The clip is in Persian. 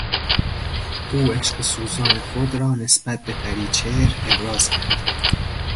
او عشق سوزان خود را نسبت به پریچهر ابراز کرد.